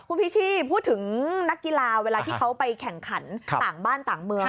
คุณพิชชี่พูดถึงนักกีฬาเวลาที่เขาไปแข่งขันต่างบ้านต่างเมือง